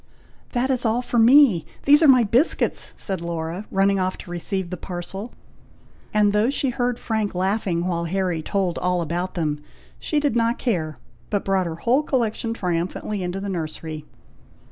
"That is all for me! these are my biscuits!" said Laura, running off to receive the parcel, and though she heard Frank laughing, while Harry told all about them, she did not care, but brought her whole collection triumphantly into the nursery.